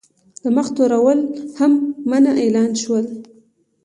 د مخ تورول هم منع اعلان شول.